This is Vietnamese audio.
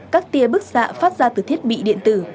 các tia bức xạ phát ra từ thiết bị điện tử